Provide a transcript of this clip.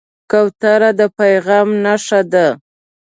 کوتره د پیغام نښه ده.